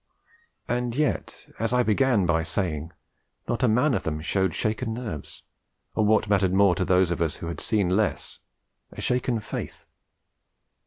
And yet, as I began by saying, not a man of them showed shaken nerves, or what mattered more to those of us who had seen less, a shaken faith.